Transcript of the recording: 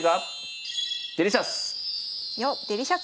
よっデリシャス！